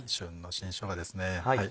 新しょうがですね